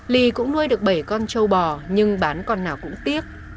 lì cũng nuôi được bảy con châu bò nhưng bán con nào cũng tiếc